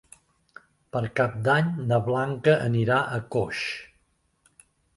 Per Cap d'Any na Blanca anirà a Coix.